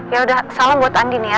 yaudah salam buat andien ya